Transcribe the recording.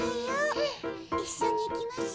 いっしょにいきましょ。